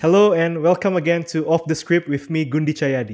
halo dan selamat datang kembali di off the script bersama saya gundi cayadi